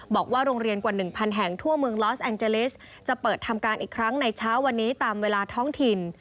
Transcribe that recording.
บอกว่าโรงเรียนกว่า๑๐๐แห่งทั่วเมืองลอสแองเจลิสจะเปิดทำการอีกครั้งในเช้าวันนี้ตามเวลาท้องถิ่น